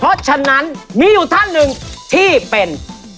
เพราะฉะนั้นมีอยู่ท่านหนึ่งที่เป็น